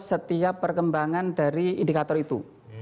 setiap perkembangan dari indikator itu